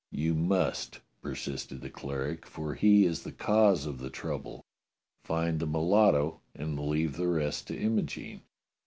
"You must," persisted the cleric, "for he is the cause of the trouble. Find that mulatto, and leave the rest to Imogene.